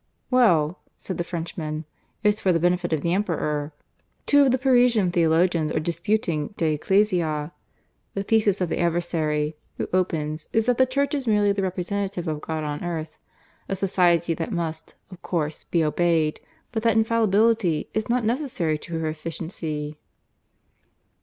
"Well," said the Frenchman, "it's for the benefit of the Emperor. Two of the Parisian theologians are disputing De Ecclesia. The thesis of the adversary, who opens, is that the Church is merely the representative of God on earth a Society that must, of course, be obeyed; but that Infallibility is not necessary to her efficiency."